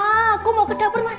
aku mau ke dapur mas